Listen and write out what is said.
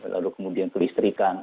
lalu kemudian kelistrikan